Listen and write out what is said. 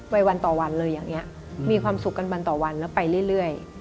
วันต่อวันเลยอย่างนี้มีความสุขกันวันต่อวันแล้วไปเรื่อย